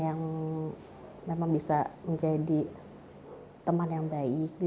yang memang bisa menjadi teman yang baik